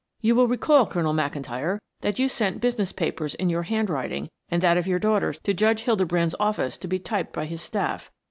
"You will recall, Colonel McIntyre, that you sent business papers in your handwriting and that of your daughters to Judge Hildebrand's office to be typed by his staff.